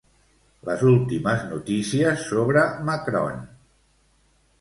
Les últimes notícies sobre Macron.